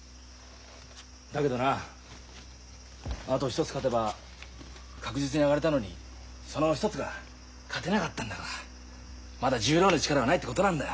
だけどなあと一つ勝てば確実に上がれたのにその一つが勝てなかったんだからまだ十両の力がないってことなんだよ。